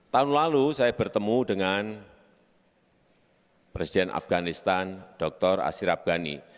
tahun lalu saya bertemu dengan presiden afganistan dr asyirab ghani